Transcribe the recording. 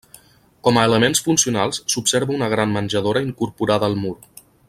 Com a elements funcionals s'observa una gran menjadora incorporada al mur.